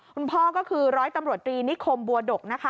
คุณพ่อก็คือ๑๐๐ตำรวจตรีนิคมบัวดก